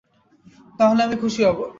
তাহলে আমি খুশি হব।